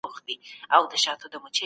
اسلام د ټولو لپاره رڼا ده.